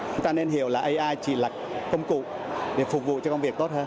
chúng ta nên hiểu là ai chỉ là công cụ để phục vụ cho công việc tốt hơn